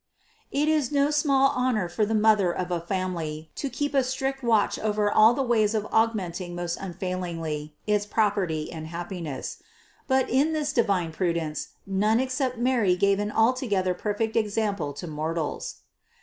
It is no small honor for the mother of a family to keep a strict watch over all the ways of augmenting most unfailingly its property and happiness; but in this divine prudence none except Mary gave an altogether perfect example to mortals.